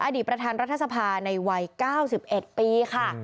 อดีตประธานรัฐสภาในวัย๙๑ปีค่ะ